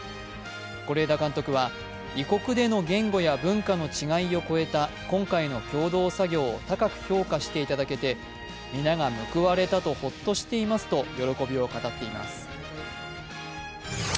是枝監督は、異国での言語や文化の違いを超えた今回の共同作業を高く評価していただけて、皆が報われたとホッとしていますと喜びを語っています。